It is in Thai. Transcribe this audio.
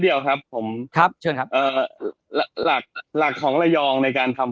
เดียวครับผมครับเชิญครับเอ่อหลักหลักของระยองในการทำ